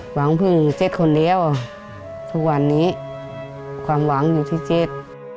หวังพึ่งเจ๊คนเดียวทุกวันนี้ความหวังอยู่ที่เจ็ด